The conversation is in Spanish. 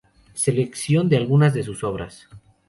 Selección de algunas de sus obras.